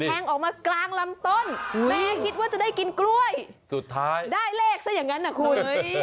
แทงออกมากลางลำต้นแม่คิดว่าจะได้กินกล้วยสุดท้ายได้เลขซะอย่างนั้นนะคุณ